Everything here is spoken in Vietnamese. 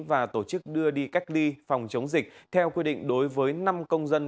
và tổ chức đưa đi cách ly phòng chống dịch theo quy định đối với năm công dân